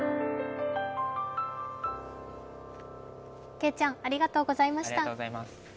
けいちゃん、ありがとうございました。